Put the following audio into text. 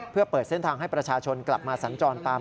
เพื่อเปิดเส้นทางให้ประชาชนกลับมาสัญจรตาม